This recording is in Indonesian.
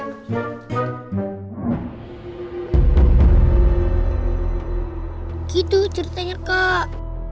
gitu ceritanya kak